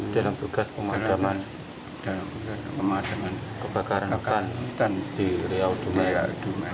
dalam tugas pemadaman kebakaran hutan di riau dunia